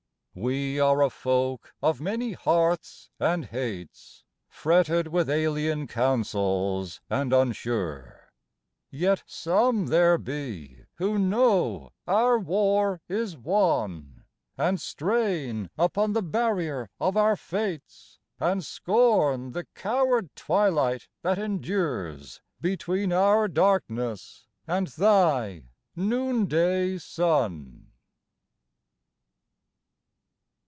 We are a folk of many hearths and hates, Fretted with alien counsels, and unsure; Yet some there be who know our war is one, And strain upon the barrier of our Fates, And scorn the coward twilight that endures Between our darkness and thy noonday sun.